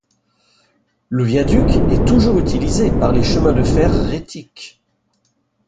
Le viaduc est toujours utilisé par les chemins de fer rhétiques.